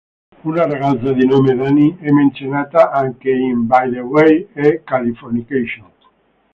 Una ragazza di nome "Dani" è menzionata anche in "By the Way" e "Californication".